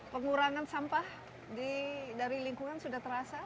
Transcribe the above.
pengurangan sampah dari lingkungan sudah terasa